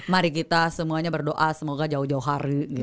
mari kita semuanya berdoa semoga jauh jauh hari